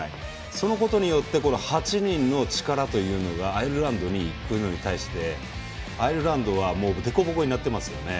そのことによって８人の力がアイルランドに行くことによってアイルランドはデコボコになってますよね。